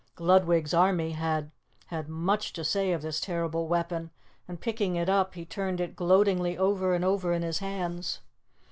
Gludwig's army had had much to say of this terrible weapon, and picking it up, he turned it gloatingly over and over in his hands.